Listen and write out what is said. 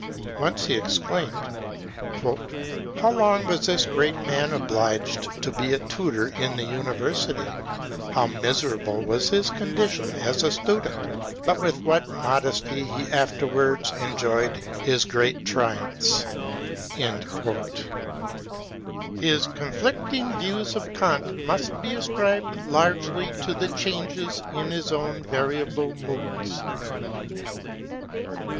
Once he exclaimed, " How long was this great man obliged to be a tutor in the university 1 How miserable was his condition as a student 1 But with what modesty he afterwards enjoyed his great triumphs I " His conflicting views 206 THE LIPK OF IHUANUEL KANT. of Eant must be ascribed largely to the changes in his own variable moods.